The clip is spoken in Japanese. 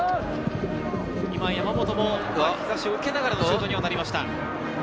今、山本も日差しを受けながらのシュートになりました。